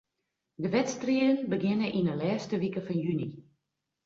De wedstriden begjinne yn 'e lêste wike fan juny.